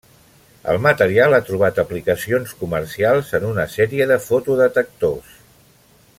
El material ha trobat aplicacions comercials en una sèrie de fotodetectors.